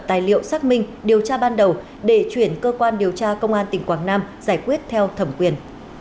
tài liệu xác minh điều tra ban đầu để chuyển cơ quan điều tra công an tỉnh quảng nam giải quyết theo thẩm quyền